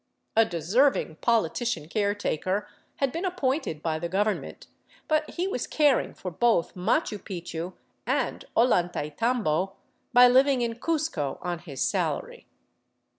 A deserving politician caretaker had been appointed by the government, but he was caring for both Machu Picchu and Ollantaytambo by living in Cuzco on his salary.